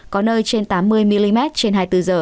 có nơi trên tám mươi mm trên hai mươi bốn giờ